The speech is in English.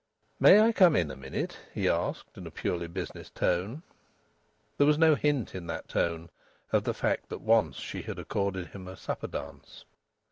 "May I come in a minute?" he asked in a purely business tone. There was no hint in that tone of the fact that once she had accorded him a supper dance.